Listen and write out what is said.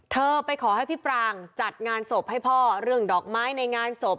เธอไปขอให้พี่ปรางจัดงานศพให้พ่อเรื่องดอกไม้ในงานศพ